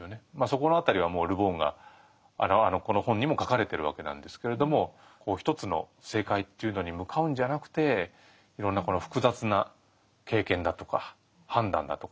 そこの辺りはもうル・ボンがこの本にも書かれてるわけなんですけれども一つの正解というのに向かうんじゃなくていろんなこの複雑な経験だとか判断だとか。